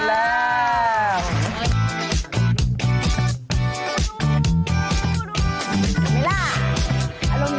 นี่ล่ะอารมณ์ดีกันเลยนะพวกเธอ